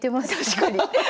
確かに。